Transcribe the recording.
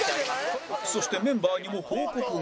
そしてメンバーにも報告が